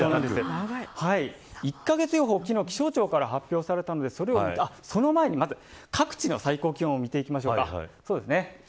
１カ月予報が昨日気象庁が発表されましたがまずその前に各地の最高気温を見ていきます。